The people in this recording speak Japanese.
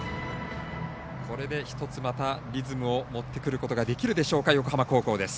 これで一つ、またリズムを持ってくることができるでしょうか、横浜高校です。